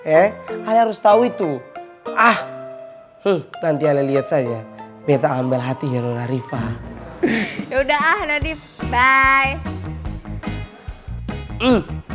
eh harus tahu itu ah nanti alet lihat saja beta ambil hati nona riva ya udah ah nadiv bye